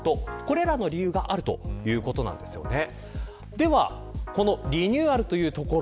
では、このリニューアルというところ。